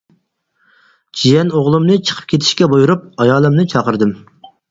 جىيەن ئوغلۇمنى چىقىپ كېتىشكە بۇيرۇپ، ئايالىمنى چاقىردىم.